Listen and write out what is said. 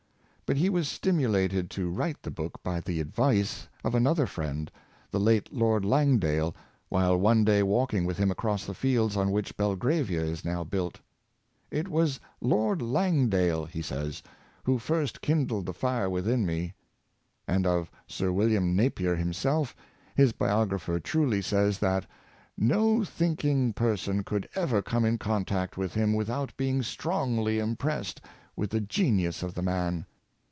"" But he was stimulated to write the book by the advice of an other friend, the late Lord Langdale, while one day walking with him across the fields on which Belgravia is now built. " It was Lord Langdale," he says, " who first kindled the fire within me." And of Sir William Napier himself, his biographer truly says, that " no thinking person could ever come in contact with him, without being strongly impressed with the genius of the man."